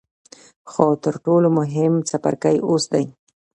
خو تر ټولو مهم څپرکی اوس دی.